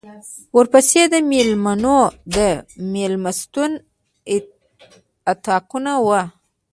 ورپسې د مېلمنو د مېلمستون اطاقونه وو.